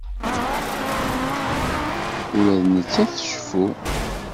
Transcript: Ula d nettat tceffu.